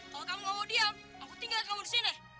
kalau kamu tidak mau diam aku tinggalkan kamu disini